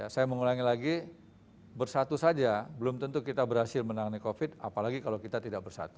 saya mengulangi lagi bersatu saja belum tentu kita berhasil menangani covid apalagi kalau kita tidak bersatu